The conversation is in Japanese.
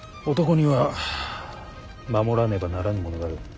男には守らねばならぬものがある。